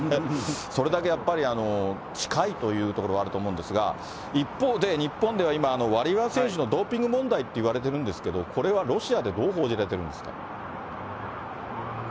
それだけやっぱり近いというところはあると思うんですが、一方で、日本では今、ワリエワ選手のドーピング問題っていわれてるんですけど、これはロシアでどう報じられてるんですか？